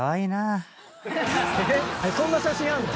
そんな写真あるの？